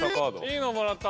いいのもらった。